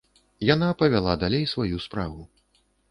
Яна павяла далей сваю справу.